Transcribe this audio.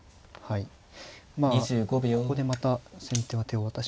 まあここでまた先手が手を渡しますが。